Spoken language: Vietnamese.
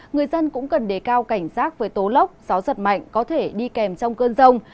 người dân cũng cần đề cao cảnh giác với tố lốc gió giật mạnh có thể đi kèm trong cơn rông